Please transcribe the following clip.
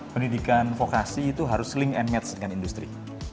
pendidikan vokasi itu harus link and match dengan industri